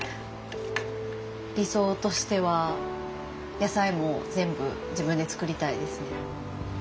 理想としては野菜も全部自分で作りたいですね。